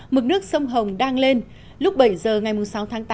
mực nước sông hồng đang lên lúc bảy giờ ngày sáu tháng tám